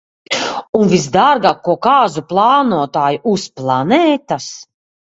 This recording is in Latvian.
Un visdārgāko kāzu plānotāju uz planētas.